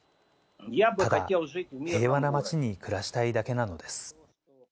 ただ、平和な町に暮らしたいだけなのです。